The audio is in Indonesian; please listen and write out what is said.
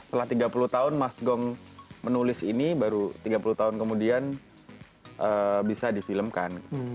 setelah tiga puluh tahun mas gong menulis ini baru tiga puluh tahun kemudian bisa difilmkan